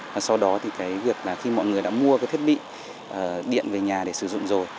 và sau đó thì cái việc là khi mọi người đã mua cái thiết bị điện về nhà để sử dụng rồi